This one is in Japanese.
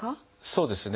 そうですね。